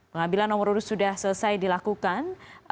pengambilan nomor urut sudah selesai dilakukan